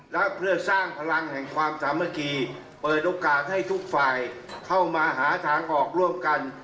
และเพื่อสร้างพลังแห่งความสามัคคีเปิดโอกาสให้ทุกฝ่ายเข้ามาหาทางออกร่วมกัน